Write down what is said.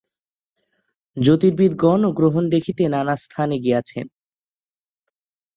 জ্যোতির্বিদগণও গ্রহণ দেখিতে নানাস্থানে গিয়াছেন।